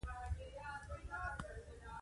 وزې د خلکو پېژندنه لري